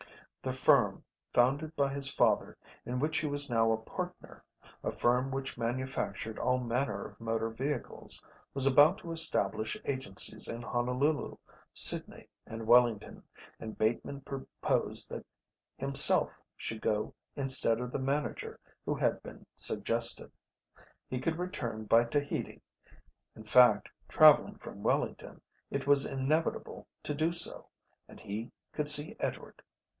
The firm, founded by his father, in which he was now a partner, a firm which manufactured all manner of motor vehicles, was about to establish agencies in Honolulu, Sidney, and Wellington; and Bateman proposed that himself should go instead of the manager who had been suggested. He could return by Tahiti; in fact, travelling from Wellington, it was inevitable to do so; and he could see Edward.